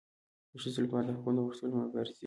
د ښځو لپاره د حقونو د غوښتلو مبارزې